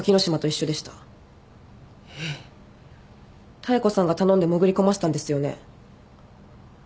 妙子さんが頼んで潜り込ませたんですよね？